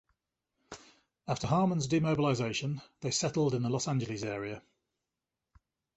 After Harmon's demobilization, they settled in the Los Angeles area.